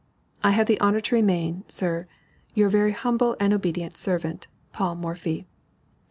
I have the honor to remain, Sir, Your very humble and obed't serv't, PAUL MORPHY.